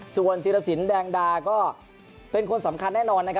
ส่วนธิรสินแดงดาก็เป็นคนสำคัญแน่นอนนะครับ